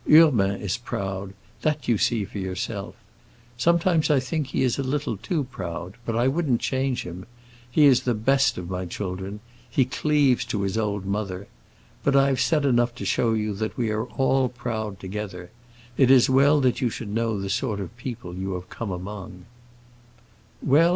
Urbain is proud; that you see for yourself. Sometimes I think he is a little too proud; but I wouldn't change him. He is the best of my children; he cleaves to his old mother. But I have said enough to show you that we are all proud together. It is well that you should know the sort of people you have come among."